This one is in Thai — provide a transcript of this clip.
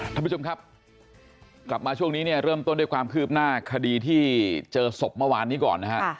ท่านผู้ชมครับกลับมาช่วงนี้เนี่ยเริ่มต้นด้วยความคืบหน้าคดีที่เจอศพเมื่อวานนี้ก่อนนะฮะ